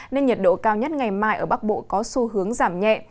nên nhiệt độ cao nhất ngày mai ở bắc bộ có xu hướng giảm nhẹ